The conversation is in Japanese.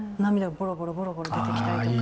ボロボロボロボロ出てきたりとか。